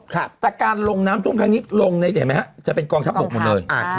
แต่การลงน้ำท่วมแค่นี้ลงจะเป็นกองทัพหลวงหมดเลย